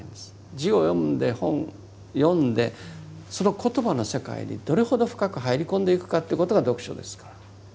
字を読んで本読んでその言葉の世界にどれほど深く入り込んでいくかということが読書ですから。